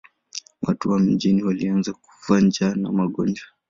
Watu wa mjini walianza kufa njaa na magonjwa.